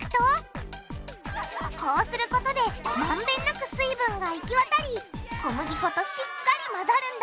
こうすることでまんべんなく水分が行き渡り小麦粉としっかりまざるんだ